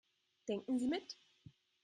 Denken Sie mit.